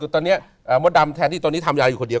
ตอนนี้มดดำแทนที่ตอนนี้ทำยายอยู่คนเดียว